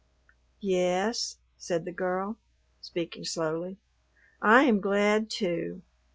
"Yes," said the girl; speaking slowly. "I am glad, too.